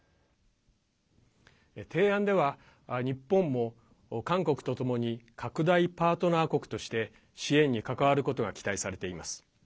提案では日本も韓国とともに拡大パートナー国として支援に関わることが期待されています。